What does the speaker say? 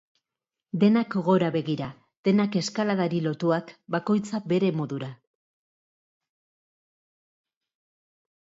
Denak gora begira, denak eskaladari lotuak, bakoitza bere modura.